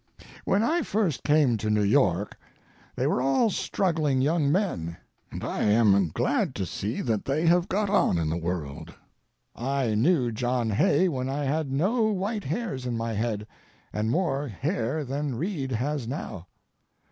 When I first came to New York they were all struggling young men, and I am glad to see that they have got on in the world. I knew John Hay when I had no white hairs in my head and more hair than Reid has now.